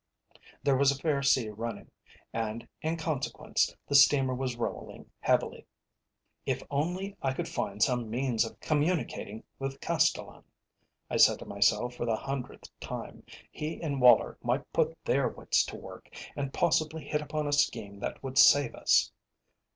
There was a fair sea running, and, in consequence, the steamer was rolling heavily. "If only I could find some means of communicating with Castellan," I said to myself for the hundredth time. "He and Woller might put their wits to work, and possibly hit upon a scheme that would save us."